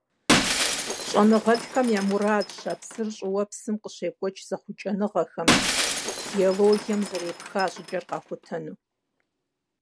ЩӀэныгъэлӀхэм я мурадщ а псыр щӀыуэпсым къыщекӀуэкӀ зэхъуэкӀыныгъэхэм, геологием зэрепха щӀыкӀэр къахутэну.